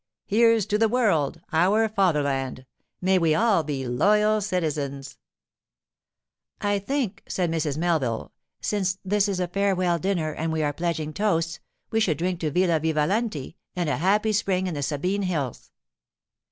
'Here's to the World, our fatherland! May we all be loyal citizens!' 'I think,' said Mrs. Melville, 'since this is a farewell dinner and we are pledging toasts, we should drink to Villa Vivalanti and a happy spring in the Sabine hills.